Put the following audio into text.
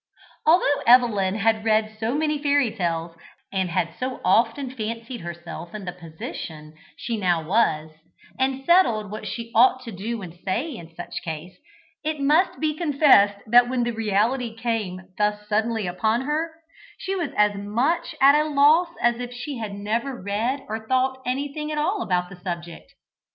Although Evelyn had read so many fairy tales, and had so often fancied herself in the position she now was, and settled what she ought to do and say in such case, it must be confessed that when the reality came thus suddenly upon her, she was as much at a loss as if she had never read or thought anything at all about the subject.